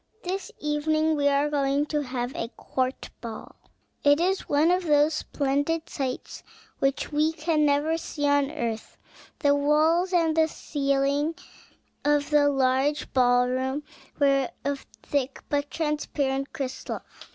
This evening we are going to have a court ball." It is one of those splendid sights which we can never see on earth. The walls and the ceiling of the large ball room were of thick, but transparent crystal.